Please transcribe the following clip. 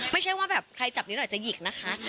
ไม่ใช่ว่าแบบใครจับนิดหน่อยจะหยิกนะคะ